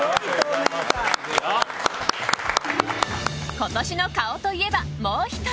今年の顔といえば、もう１人。